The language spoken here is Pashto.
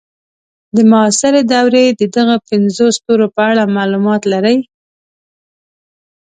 د معاصرې دورې د دغو پنځو ستورو په اړه معلومات لرئ.